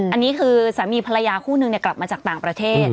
อันนี้คือสามีภรรยาคู่นึงกลับมาจากต่างประเทศ